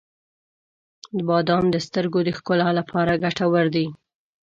• بادام د سترګو د ښکلا لپاره ګټور دي.